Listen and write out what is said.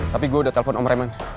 tapi gue udah telepon om raymond